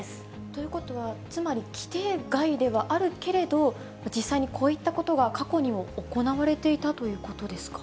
ということは、つまり、規程外ではあるけれど、実際にこういったことが過去にも行われていたということですか。